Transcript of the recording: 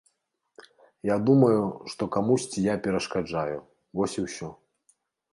Я думаю, што камусьці я перашкаджаю, вось і ўсё.